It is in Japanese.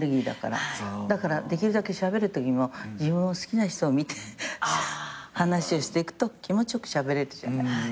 だからできるだけしゃべるときも自分を好きな人を見て話をしていくと気持ち良くしゃべれるじゃない。